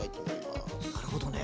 なるほどね。